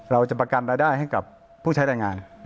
เราจะประกันรายได้ให้กับผู้ใช้แรงงาน